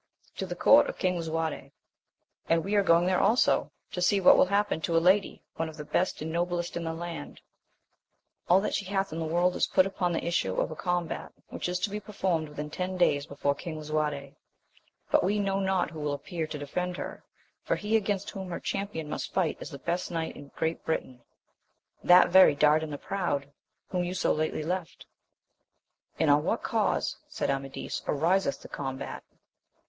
— To the court of King Lisuarte. — And we are going there also ; to see what will happen to a lady, one of the best and noblest in the land : all that she hath in the world is put upon the issue of a com bat, which is to be performed within ten days before King Lisuarte ; but we know not who will appear to defend her, for he against whom her champion must fight is the best knight in Great Britain, that very Dardan the Proud, whom you so lately left. And on what cause, said Amadis, ariseth the combat